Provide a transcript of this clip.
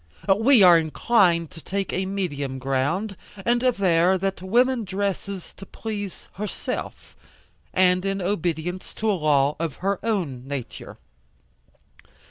We are inclined to take a medium ground, and aver that woman dresses to please herself, and in obedience to a law of her own nature.